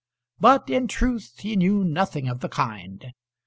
But in truth he knew nothing of the kind.